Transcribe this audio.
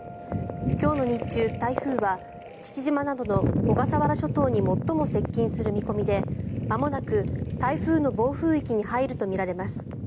今日の日中、台風は父島などの小笠原諸島に最も接近する見込みでまもなく台風の暴風域に入るとみられます。